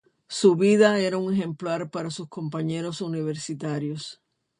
Su vida era un ejemplo para sus compañeros universitarios.